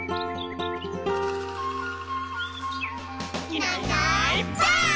「いないいないばあっ！」